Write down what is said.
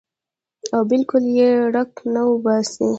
او بالکل ئې د ړق نه اوباسي -